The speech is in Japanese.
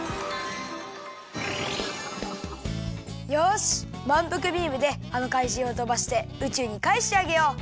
よしまんぷくビームであのかいじんをとばして宇宙にかえしてあげよう！